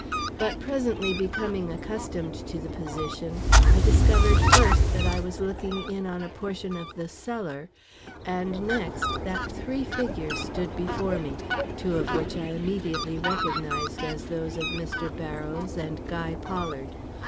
But presently becoming accustomed to the position, I discovered first that I was looking in on a portion of the cellar, and next that three figures stood before me, two of which I immediately recognized as those of Mr. Barrows and Guy Pollard.